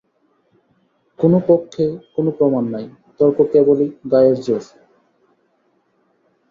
কোনো পক্ষে কোনো প্রমাণ নাই, তর্ক কেবলই গায়ের জোরে।